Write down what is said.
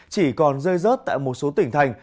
chỉ còn rơi rớt tại một số tỉnh thành